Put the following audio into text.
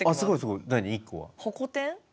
ホコ天？